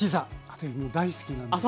私も大好きなんですよ。